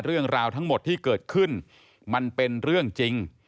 เรื่องราวทั้งหมดที่เกิดขึ้นมันเป็นเรื่องจริง